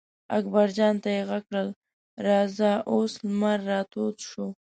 اکبر جان ته یې غږ کړل: راځه اوس لمر را تود شو.